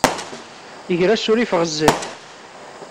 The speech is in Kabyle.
Ger asurif ɣer zzat.